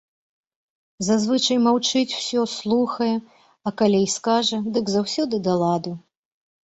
Зазвычай маўчыць усё, слухае, а калі й скажа, дык заўсёды да ладу.